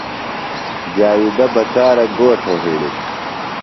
جاویدہ بکارہ گو تھے ہِڑم ؟